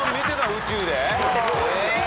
宇宙で。